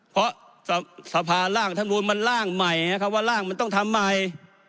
เพราะสภาร่างธรรมนูลมันร่างใหม่คำว่าร่างมันต้องทำใหม่